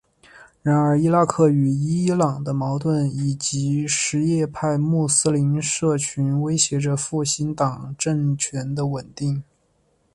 然而伊拉克与伊朗的矛盾以及什叶派穆斯林社群威胁着复兴党政权的稳定。